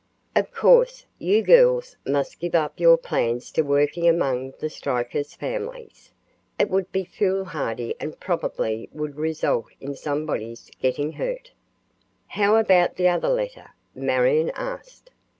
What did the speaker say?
Of course, you girls must give up your plans to work among the strikers' families. It would be foolhardy and probably would result in somebody's getting hurt." "How about the other letter?" Marion asked.